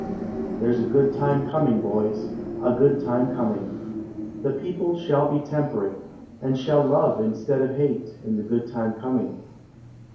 There 's a good time coming, boys A good time coming: The people shall be temperate, And shall love instead of hate, In the good time coming.